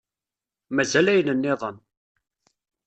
Mazal ayen-nniḍen.